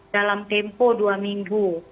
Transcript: dalam tempo dua minggu